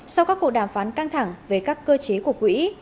sau các cuộc đàm phán căng thẳng về các cơ chế của quỹ